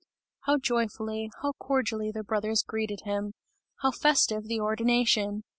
How joyfully, how cordially the brothers greeted him! How festive the ordination!